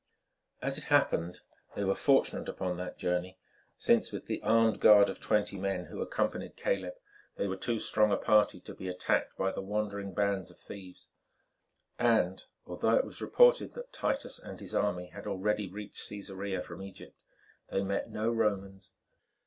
As it happened, they were fortunate upon that journey, since, with the armed guard of twenty men who accompanied Caleb, they were too strong a party to be attacked by the wandering bands of thieves, and, although it was reported that Titus and his army had already reached Cæsarea from Egypt, they met no Romans.